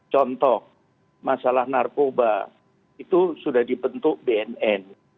contoh masalah narkoba itu sudah dibentuk bnn